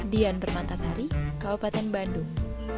dian permantasari kabupaten bandung